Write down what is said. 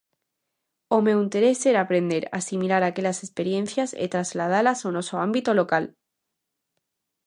O meu interese era aprender, asimilar aquelas experiencias e trasladalas ao noso ámbito local.